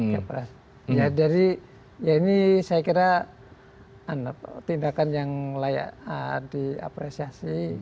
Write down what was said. ya jadi ya ini saya kira tindakan yang layak diapresiasi